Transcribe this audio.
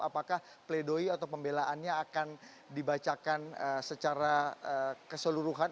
apakah pledoi atau pembelaannya akan dibacakan secara keseluruhan